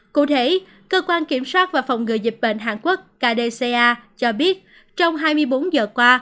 cụ thể cơ quan kiểm soát và phòng ngừa dịch bệnh hàn quốc kdca cho biết trong hai mươi bốn giờ qua